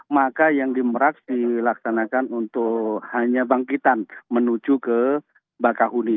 maka yang di meraks dilaksanakan untuk hanya bangkitan menuju ke bakahuni